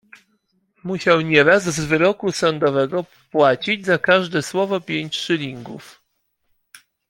"Musiał nieraz z wyroku sądowego płacić za każde słowo pięć szylingów."